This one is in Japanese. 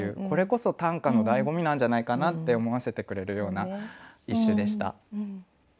これこそ短歌のだいご味なんじゃないかなって思わせてくれるような一首でした。